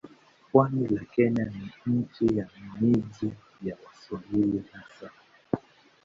Pwani la Kenya ni nchi ya miji ya Waswahili hasa.